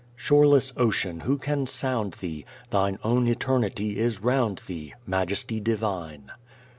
Shoreless Ocean, who can sound Thee? Thine own eternity is round Thee, Majesty divine!